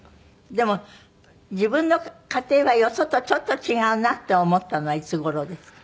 でも自分の家庭はよそとちょっと違うなって思ったのはいつ頃ですか？